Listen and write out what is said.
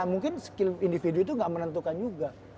mungkin skill individu itu nggak menentukan juga